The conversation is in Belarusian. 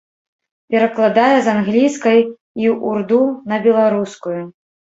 Перакладае з англійскай і ўрду на беларускую.